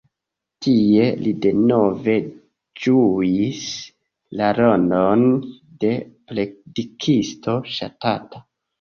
Tie li denove ĝuis la rolon de predikisto ŝatata.